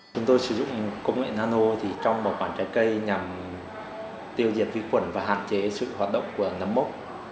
chúng tôi sử dụng công nghệ nano trong bảo quản trái cây nhằm tiêu diệt vi khuẩn và hạn chế sự hoạt động của nấm mốc